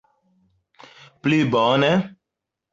plibone